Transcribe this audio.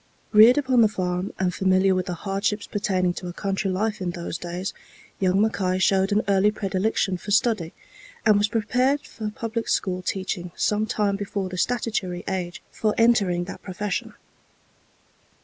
Reared upon the farm, and familiar with the hardships pertaining to a country life in those days, young Mackay showed an early predilection for study, and was prepared for public school teaching some time before the statutory age for entering that profession.